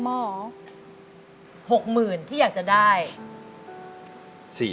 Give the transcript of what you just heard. ๖หมื่นที่อยากจะได้